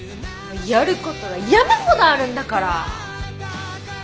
やることは山ほどあるんだから。